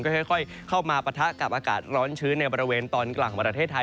ก็ค่อยเข้ามาปะทะกับอากาศร้อนชื้นในบริเวณตอนกลางของประเทศไทย